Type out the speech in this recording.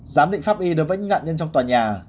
giám định pháp y đối với những nạn nhân trong tòa nhà